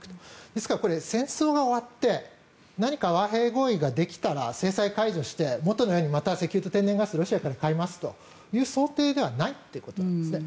ですから戦争が終わって何か和平合意ができたら制裁を解除して元のようにまた石油と天然ガスをロシアから買いますという想定ではないということですね。